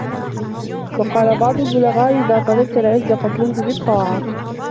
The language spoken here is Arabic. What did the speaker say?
وَقَالَ بَعْضُ الْبُلَغَاءِ إذَا طَلَبْتَ الْعِزَّ فَاطْلُبْهُ بِالطَّاعَةِ